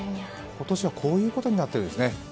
今年はこういうことになってるんですね。